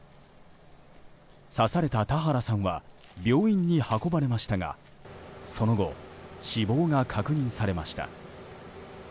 刺された田原さんは病院に運ばれましたがその後、死亡が確認されました。